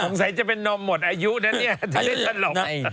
คงใส่จะเป็นนมหมดอายุนะเนี่ยที่เล่นกันหรอก